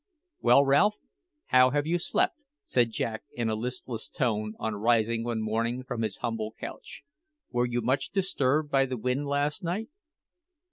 "Well, Ralph, how have you slept?" said Jack in a listless tone on rising one morning from his humble couch. "Were you much disturbed by the wind last night?"